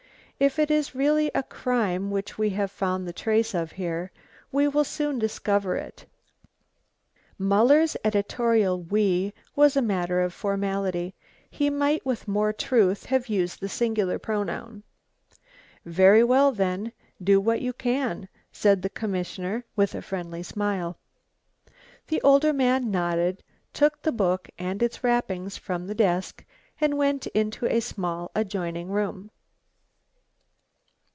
If it is really a crime which we have found the trace of here, we will soon discover it." Muller's editorial "we" was a matter of formality. He might with more truth have used the singular pronoun. "Very well, then, do what you can," said the commissioner with a friendly smile. The older man nodded, took the book and its wrappings from the desk, and went into a small adjoining room.